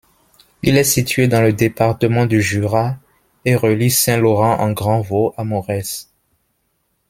Il est situé dans le département du Jura et relie Saint-Laurent-en-Grandvaux à Morez.